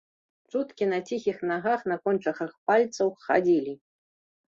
Чуткі на ціхіх нагах, на кончыках пальцаў хадзілі.